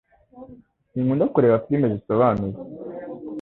sinkunda kureba filime zisobanuye